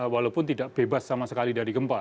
walaupun tidak bebas sama sekali dari gempa